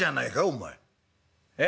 お前ええ？